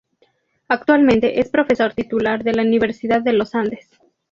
Actualmente es profesor Titular de la Universidad de los Andes.